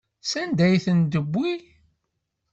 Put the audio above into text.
Sanda ay ten-tewwi?